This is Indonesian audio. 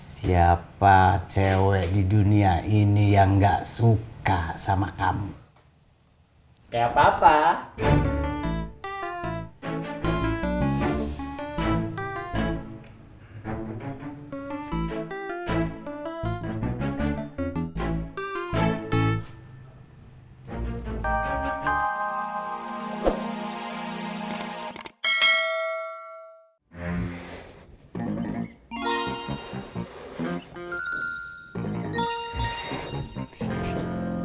siapa cewek di dunia ini yang gak suka sama kamu